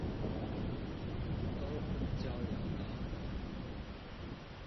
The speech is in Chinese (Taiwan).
東湖交流道